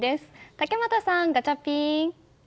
竹俣さん、ガチャピン！